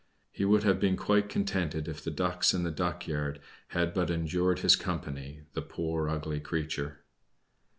He would have been quite contented if the Ducks in the duck yard had but endured his company the poor, ugly creature.